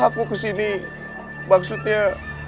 aku ke sini maksudnya